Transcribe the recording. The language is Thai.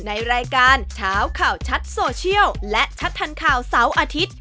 ในรายการเช้าข่าวชัดโซเชียลและชัดทันข่าวเสาร์อาทิตย์